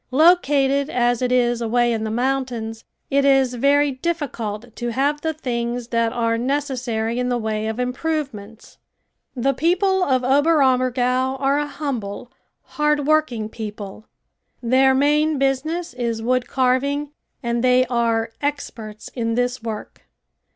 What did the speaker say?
Located as it is away in the mountains, it is very difficult to have the things that are necessary in the way of improvements. The people of Oberammergau are a humble, hard working people. Their main business is wood carving and they are experts in this work.